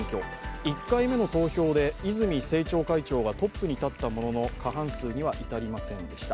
１回目の投票で泉政調会長はトップに立ったものの過半数に至りませんでした。